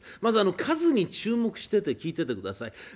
まず数に注目してて聴いててください。